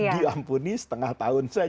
diampuni setengah tahun saja